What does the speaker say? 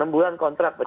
enam bulan kontrak pecat